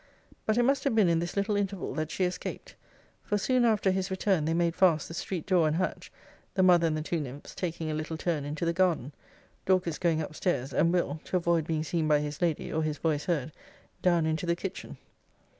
'But it must have been in this little interval, that she escaped; for soon after his return, they made fast the street door and hatch, the mother and the two nymphs taking a little turn into the garden; Dorcas going up stairs, and Will. (to avoid being seen by his lady, or his voice heard) down into the kitchen.